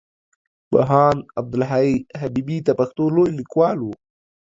پوهاند عبدالحی حبيبي د پښتو لوی ليکوال وو.